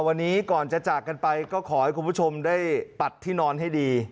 วันนี้ก่อนจะจากกันไปก็ขอให้คุณผู้ชมได้ปัดที่นอนให้ดี